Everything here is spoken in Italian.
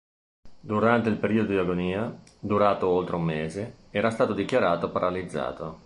Durante il periodo di agonia, durato oltre un mese, era stato dichiarato paralizzato.